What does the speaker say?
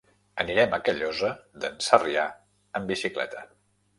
Anirem a Callosa d'en Sarrià amb bicicleta.